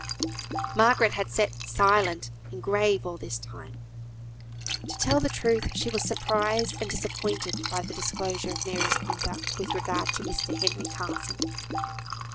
Margaret had sat silent and grave all this time. To tell the truth, she was surprised and disappointed by the disclosure of Mary's conduct, with regard to Mr. Henry Carson.